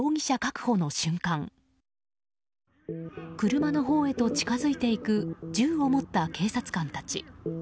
車のほうへと近づいていく銃を持った警察官たち。